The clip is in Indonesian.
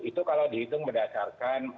itu kalau dihitung berdasarkan